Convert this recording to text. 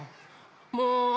もう！